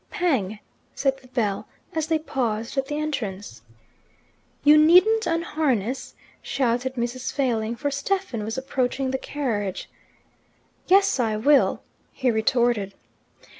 "Pang!" said the bell, as they paused at the entrance. "You needn't unharness," shouted Mrs. Failing, for Stephen was approaching the carriage. "Yes, I will," he retorted.